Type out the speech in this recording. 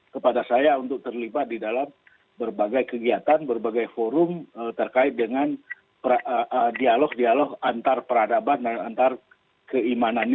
kepada saya untuk terlibat di dalam berbagai kegiatan berbagai forum terkait dengan dialog dialog antar peradaban dan antar keimanannya